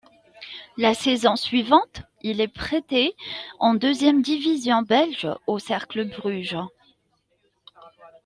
La saison suivante, il est prêté en deuxième division belge au Cercle Bruges.